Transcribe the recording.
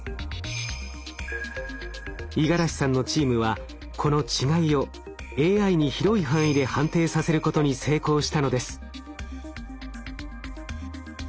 五十嵐さんのチームはこの違いをＡＩに広い範囲で判定させることに成功したのです。